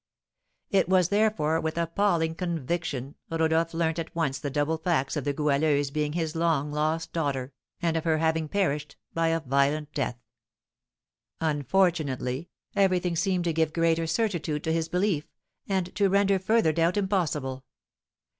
It was, therefore, with appalling conviction Rodolph learnt at once the double facts of the Goualeuse being his long lost daughter, and of her having perished by a violent death. Unfortunately, everything seemed to give greater certitude to his belief, and to render further doubt impossible.